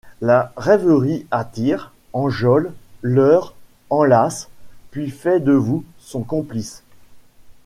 La rêverie attire, enjôle, leurre, enlace, puis fait de vous son complice.